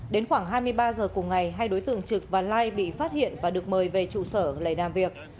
đến khoảng hai mươi ba h cùng ngày hai đối tượng trực và lai bị phát hiện và được mời về trụ sở lấy làm việc